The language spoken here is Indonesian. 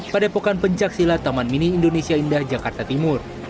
pada epokan pencaksilat taman mini indonesia indah jakarta timur